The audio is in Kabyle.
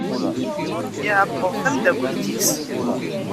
Iεebbeḍ tamdakelt-is.